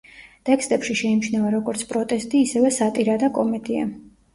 ტექსტებში შეიმჩნევა როგორც პროტესტი ისევე სატირა და კომედია.